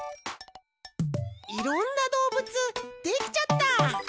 いろんなどうぶつできちゃった！